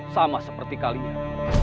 sama seperti kalian